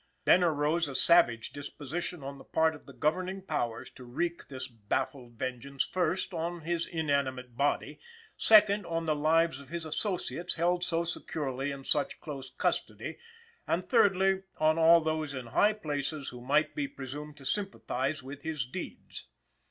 Thence arose a savage disposition on the part of the governing powers to wreak this baffled vengeance first, on his inanimate body; secondly, on the lives of his associates held so securely in such close custody; and thirdly, on all those in high places who might be presumed to sympathize with his deeds.